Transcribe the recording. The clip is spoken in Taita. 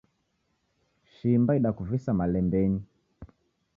Shimba idakuvisa malembenyi.